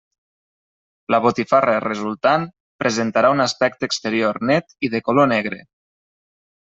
La botifarra resultant presentarà un aspecte exterior net i de color negre.